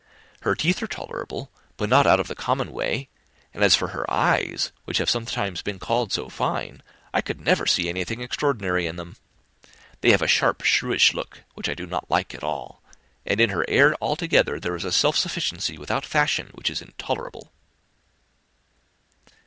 Her teeth are tolerable, but not out of the common way; and as for her eyes, which have sometimes been called so fine, I never could perceive anything extraordinary in them. They have a sharp, shrewish look, which I do not like at all; and in her air altogether, there is a self sufficiency without fashion, which is intolerable."